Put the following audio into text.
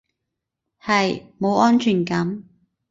係，冇安全感